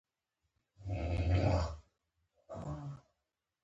دشین قدمه پسرلی ښکالو ته ،